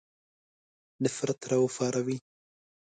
نفرت را وپاروي.